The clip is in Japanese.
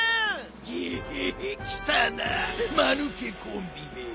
ゲヘヘきたなまぬけコンビめ。